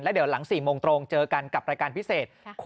เดี๋ยวหลัง๔โมงตรงเจอกันกับรายการพิเศษ